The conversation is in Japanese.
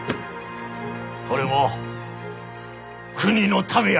これも国のためやき。